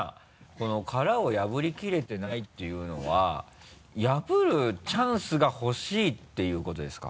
この殻を破りきれてないっていうのは破るチャンスがほしいっていうことですか？